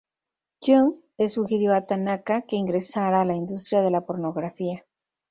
Jung le sugirió a Tanaka que ingresara a la industria de la pornografía.